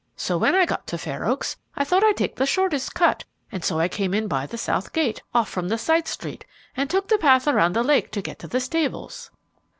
So, when I got to Fair Oaks, I thought I'd take the shortest cut, and so I come in by the south gate, off from the side street, and took the path around the lake to get to the stables."